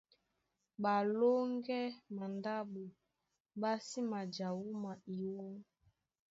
Ɓalóŋgɛ́ mandáɓo ɓá sí maja wúma iwɔ́,